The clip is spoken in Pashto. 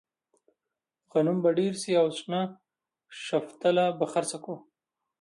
غنم به ډېر شي او شنه شفتله به خرڅه کړو.